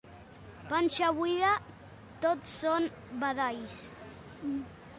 Panxa buida, tot són badalls.